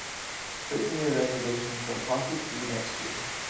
Book me a reservation for a party of three next year